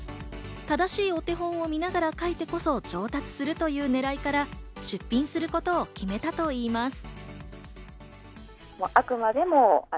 正しいお手本を見ながら書いてこそ上達するという狙いから、出品することを決めたといいます。